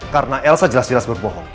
karena elsa jelas jelas berbohong